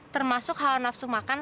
termasuk hal nafsu makan